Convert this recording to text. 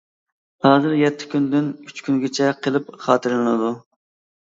ھازىر يەتتە كۈندىن ئۈچ كۈنگىچە قىلىپ خاتىرىلىنىدۇ.